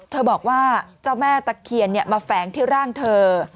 บอกว่าเจ้าแม่ตะเคียนมาแฝงที่ร่างเธอ